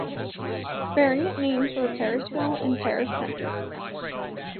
Variant names were Parisville and Paris Center.